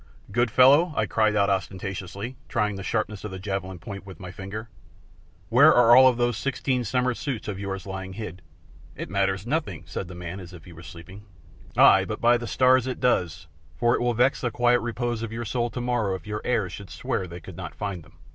"Good fellow," I cried out ostentatiously, trying the sharpness of the javelin point with my finger, "where are all of those sixteen summer suits of yours lying hid?" "It matters nothing," said the man, as if he were asleep. "Ay, but by the stars it does, for it will vex the quiet repose of your soul tomorrow if your heirs should swear they could not find them."